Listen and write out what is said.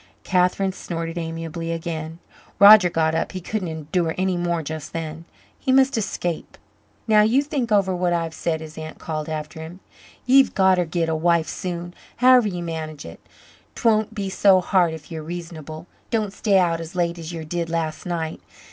Catherine snorted amiably again. Roger got up he couldn't endure any more just then. He must escape. "Now you think over what I've said," his aunt called after him. "Ye've gotter git a wife soon, however ye manage it. 'Twon't be so hard if ye're reasonable. Don't stay out as late as ye did last night.